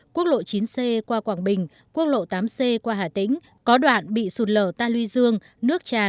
quốc lộ chín c qua quảng bình quốc lộ tám c qua hà tĩnh có đoạn bị sụt lở ta luy dương nước tràn